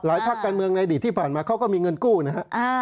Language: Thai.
ภาคการเมืองในอดีตที่ผ่านมาเขาก็มีเงินกู้นะฮะ